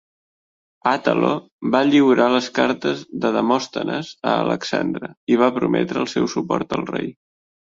Atalo va lliurar les cartes de Demòstenes a Alexandre i va prometre el seu suport al rei.